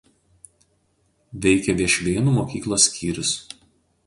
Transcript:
Veikia Viešvėnų mokyklos skyrius.